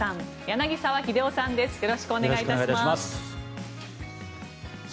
柳澤秀夫さんです。